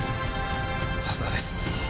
さすがです！